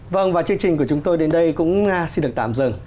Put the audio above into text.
vâng và chương trình của chúng tôi đến đây cũng xin được tạm dừng